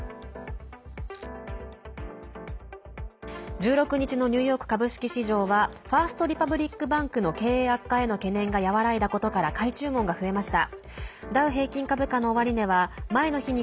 １６日のニューヨーク株式市場はファースト・リパブリック・バンクの経営悪化への懸念が和らいだことから買い注文が増えました。